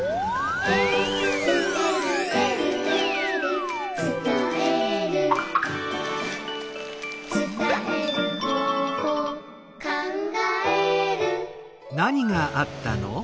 「えるえるえるえる」「つたえる」「つたえる方法」「かんがえる」